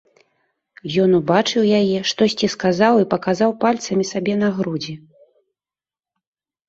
Ён убачыў яе, штосьці сказаў і паказаў пальцамі сабе на грудзі.